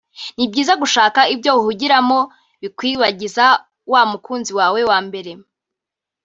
ni byiza gushaka ibyo uhugiramo bikwibagiza wa mukunzi wawe wa mbere